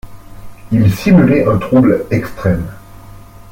Il simulait un trouble extrême.